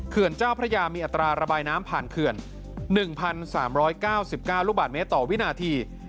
เจ้าพระยามีอัตราระบายน้ำผ่านเขื่อน๑๓๙๙ลูกบาทเมตรต่อวินาที